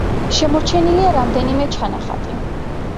შემორჩენილია რამდენიმე ჩანახატი.